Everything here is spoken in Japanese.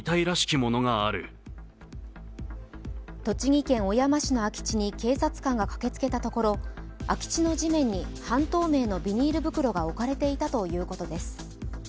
栃木県小山市の空き地に警察官が駆けつけたところ空き地の地面に半透明のビニール袋が置かれていたということです。